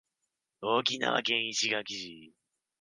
沖縄県石垣市